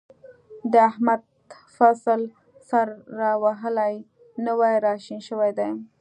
د احمد فصل سر را وهلی، نوی را شین شوی دی.